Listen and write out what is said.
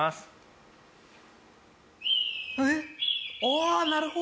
あなるほど。